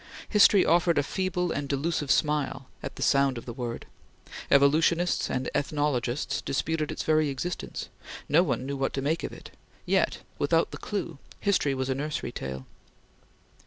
History offered a feeble and delusive smile at the sound of the word; evolutionists and ethnologists disputed its very existence; no one knew what to make of it; yet, without the clue, history was a nursery tale.